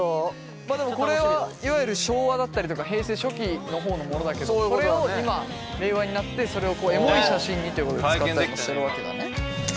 まあでもこれはいわゆる昭和だったりとか平成初期の方のものだけどそれを今令和になってそれをエモい写真にということで使ったりもしてるわけだね。